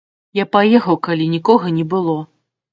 Я паехаў, калі нікога не было.